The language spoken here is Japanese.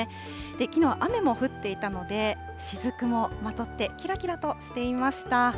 きのう、雨も降っていたので、しずくもまとってきらきらとしていました。